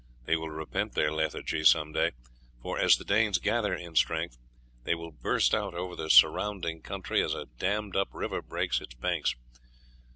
They will repent their lethargy some day, for, as the Danes gather in strength, they will burst out over the surrounding country as a dammed up river breaks its banks.